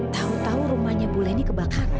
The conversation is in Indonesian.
tahu tahu rumahnya bule ini kebakaran